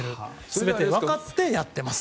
全て分かってやってます！